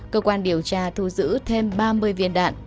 cơ quan điều tra thu giữ thêm ba mươi viên đạn